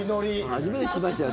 初めて聞きましたよ。